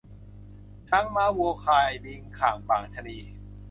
ช้างม้าวัวควาย ลิงค่างบ่างชะนี